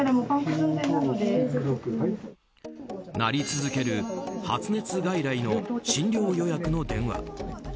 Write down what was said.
鳴り続ける発熱外来の診療予約の電話。